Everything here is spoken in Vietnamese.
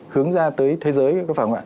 hướng ra tới thế giới phải không ạ